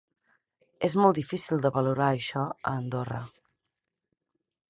És molt difícil de valorar això, a Andorra.